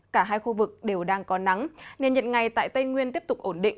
cả hai khu vực đều đang có nắng nên nhiệt ngày tại tây nguyên tiếp tục ổn định